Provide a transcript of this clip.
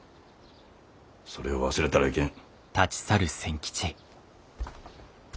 それを忘れたらいけん。